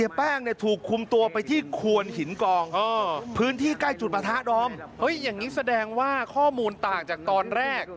อย่างนี้แสดงว่าข้อมูลต่างจากตอนแรก